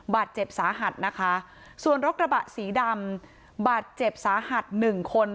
บาดเจ็บสาหัสนะคะส่วนรถกระบะสีดำบาดเจ็บสาหัสหนึ่งคน